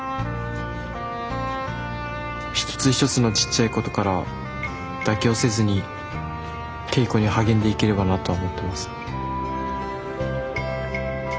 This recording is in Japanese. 一つ一つのちっちゃいことから妥協せずに稽古に励んでいければなと思ってます。